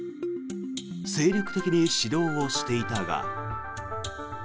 精力的に指導をしていたが。